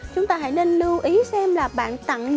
chúng ta hãy nên lưu ý xem là bạn tặng được gì